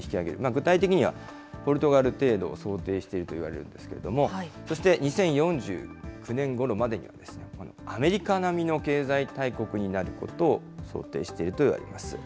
具体的には、ポルトガル程度を想定しているといわれているんですけれども、そして、２０４９年ごろまでには、アメリカ並みの経済大国になることを想定しているといわれています。